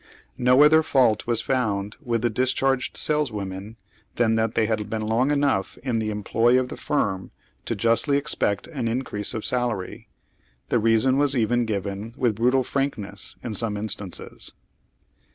No other fault was found with the dis charged saleswomen than that they had been long enough in the employ of the firm to justly expect an increase of salary. The reason was even given with brutal frank ness, in some instances.